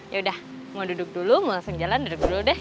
yaudah mau duduk dulu mau langsung jalan duduk dulu deh